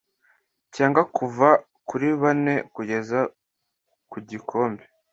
cyangwa kuva kuri bane kugeza ku gikombe